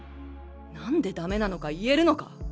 何で駄目なのか言えるのか？